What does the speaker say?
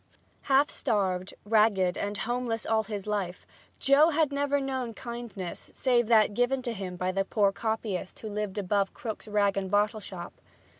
Half starved, ragged and homeless all his life, Joe had never known kindness save that given to him by the poor copyist who had lived above Krook's rag and bottle shop.